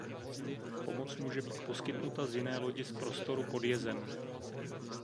Pomoc může být poskytnuta z jiné lodi z prostoru pod jezem.